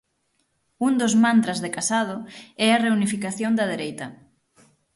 Un dos mantras de Casado é a reunificación da dereita.